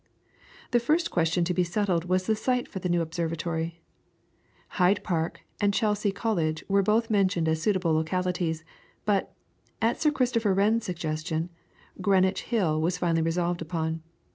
The first question to be settled was the site for the new observatory. Hyde Park and Chelsea College were both mentioned as suitable localities, but, at Sir Christopher Wren's suggestion, Greenwich Hill was finally resolved upon.